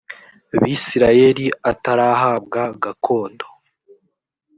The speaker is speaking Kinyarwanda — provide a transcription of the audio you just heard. bisirayeli atarahabwa gakondo